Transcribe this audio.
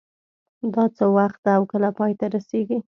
دا څه وخت ده او کله پای ته رسیږي